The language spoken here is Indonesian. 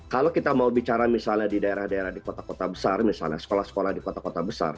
kalau kita mau bicara misalnya di daerah daerah di kota kota besar misalnya sekolah sekolah di kota kota besar